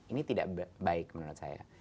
ini tidak baik menurut saya